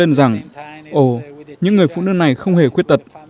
tôi nghĩ rằng ồ những người phụ nữ này không hề khuyết tật